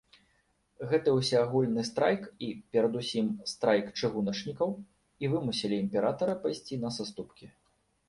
Гэты ўсеагульны страйк і, перадусім, страйк чыгуначнікаў, і вымусілі імператара пайсці на саступкі.